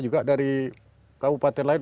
juga dari kabupaten lain